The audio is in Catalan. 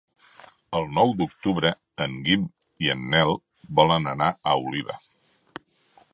El nou d'octubre en Guim i en Nel volen anar a Oliva.